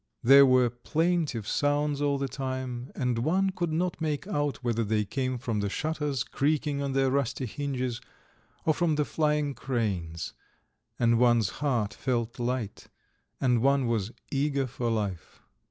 There were plaintive sounds all the time, and one could not make out whether they came from the shutters creaking on their rusty hinges, or from the flying cranes and one's heart felt light, and one was eager for life.